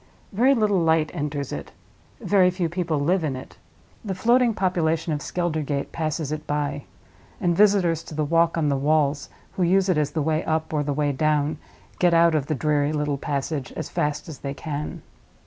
Very little light enters it; very few people live in it; the floating population of Skeldergate passes it by; and visitors to the Walk on the Walls, who use it as the way up or the way down, get out of the dreary little passage as fast as they can.